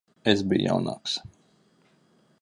Es biju jaunāks.